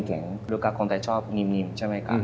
แล้วก็คนไทยชอบนิ่มใช่ไหมคะ